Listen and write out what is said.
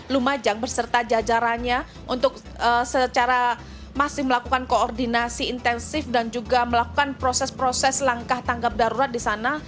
lumajang berserta jajarannya untuk secara masih melakukan koordinasi intensif dan juga melakukan proses proses langkah tanggap darurat di sana